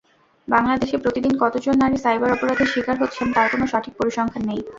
বাংলাদেশে প্রতিদিন কতজন নারী সাইবার অপরাধের শিকার হচ্ছেন, তার কোনো সঠিক পরিসংখ্যান নেই।